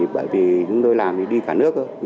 bởi vì chúng tôi làm thì đi cả nước